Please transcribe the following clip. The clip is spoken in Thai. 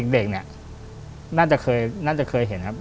เด็กเนี่ยน่าจะเคยเห็นครับ